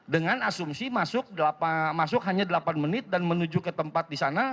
dengan asumsi masuk hanya delapan menit dan menuju ke tempat di sana